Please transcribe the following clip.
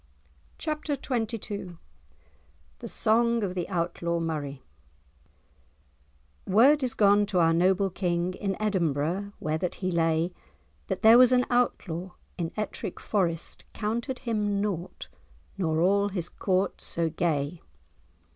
'" *Chapter XXII* *The Song of the Outlaw Murray* "Word is gone to our noble king, In Edinburgh where that he lay, That there was an Outlaw in Ettrick Forest Counted him nought, nor all his Court so gay."